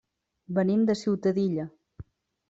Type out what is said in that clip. Venim de Ciutadilla.